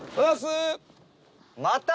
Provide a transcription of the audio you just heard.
また？